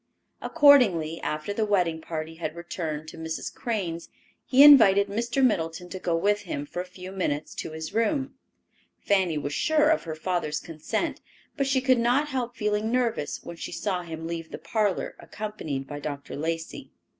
Accordingly, after the wedding party had returned to Mrs. Crane's, he invited Mr. Middleton to go with him for a few minutes to his room. Fanny was sure of her father's consent, but she could not help feeling nervous when she saw him leave the parlor, accompanied by Dr. Lacey.